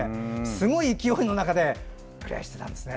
すごい勢いの中でプレーしていたんですね。